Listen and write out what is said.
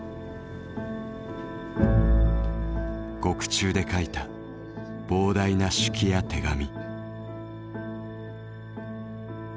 獄中で書いた膨大な手記や手紙。